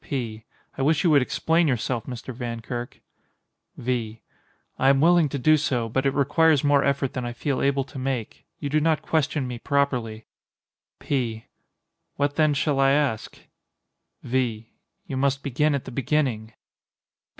P. I wish you would explain yourself, Mr. Vankirk. V. I am willing to do so, but it requires more effort than I feel able to make. You do not question me properly. P. What then shall I ask? V. You must begin at the beginning.